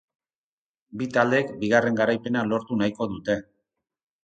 Bi taldeek bigarren garaipena lortu nahiko dute.